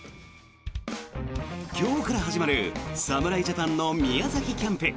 今日から始まる侍ジャパンの宮崎キャンプ。